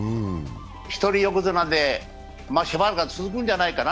１人横綱でしばらくは続くんじゃないかな。